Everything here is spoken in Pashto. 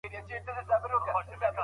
هغه سیالي رد نه کړه.